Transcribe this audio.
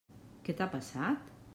Què t'ha passat?